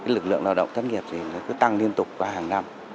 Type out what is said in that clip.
lực lượng lao động thất nghiệp thì cứ tăng liên tục qua hàng năm